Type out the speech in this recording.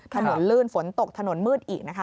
ถนนลื่นฝนตกถนนมืดอีกนะคะ